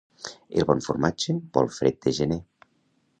El bon formatge vol fred de gener.